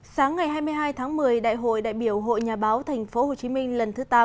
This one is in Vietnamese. sáng ngày hai mươi hai tháng một mươi đại hội đại biểu hội nhà báo tp hcm lần thứ tám